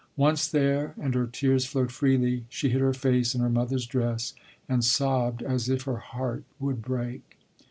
Once there and her tears flowed freely; she hid her face in her mother's dress, and sobbed as if her heart would break.